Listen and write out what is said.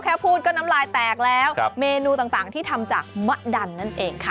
พูดก็น้ำลายแตกแล้วเมนูต่างที่ทำจากมะดันนั่นเองค่ะ